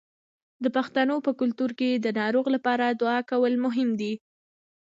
د پښتنو په کلتور کې د ناروغ لپاره دعا کول مهم دي.